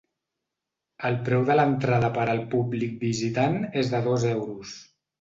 El preu de l’entrada per al públic visitant és de dos euros.